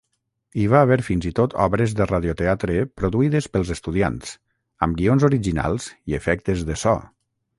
Hi va haver fins i tot obres de radioteatre produïdes pels estudiants, amb guions originals i efectes de so.